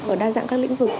ở đa dạng các lĩnh vực